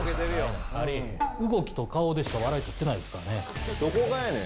動きと顔でしか笑い取ってなどこがやねん。